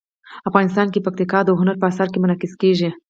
افغانستان کې پکتیکا د هنر په اثار کې منعکس کېږي.